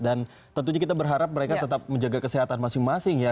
dan tentunya kita berharap mereka tetap menjaga kesehatan masing masing ya